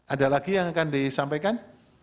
ada lagi yang akan disampaikan